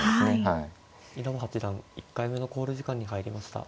稲葉八段１回目の考慮時間に入りました。